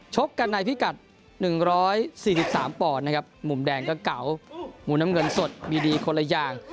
ชกกันในพิกัด๑๔๓ปอนด์นะครับมุมแดงก็เก่ามุมน้ำเงินสดมีดีคนละอย่าง